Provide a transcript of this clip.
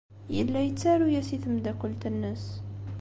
Yella yettaru-as i tmeddakelt-nnes.